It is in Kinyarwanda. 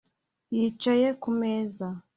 Yicaye ku meza